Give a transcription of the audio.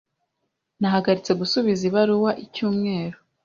Nahagaritse gusubiza ibaruwa icyumweru.